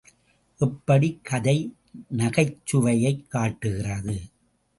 எப்படிக் கதை நகைச்சுவையைக் காட்டுகிறது.